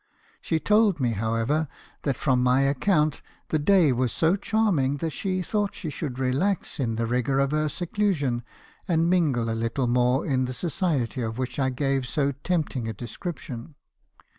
She told me, however, that from my account the day was so charming that she thought she should relax in the rigour of her seclusion, and mingle a little more in the society of which I gave so tempting a description.